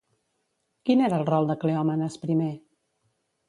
Quin era el rol de Cleòmenes I?